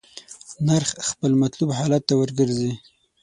نرخ خپل مطلوب حالت ته ورګرځي.